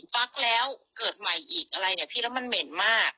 ฟักแล้วเกิดใหม่อีกอะไรเนี่ยพี่แล้วมันเหม็นมาก